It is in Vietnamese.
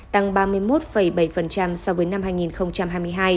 tăng ba mươi một bảy so với năm hai nghìn hai mươi hai